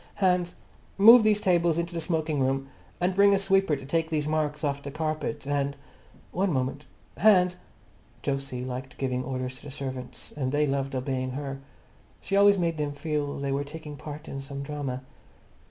"Hans, move these tables into the smoking room, and bring a sweeper to take these marks off the carpet and—one moment, Hans—" Jose loved giving orders to the servants, and they loved obeying her. She always made them feel they were taking part in some drama.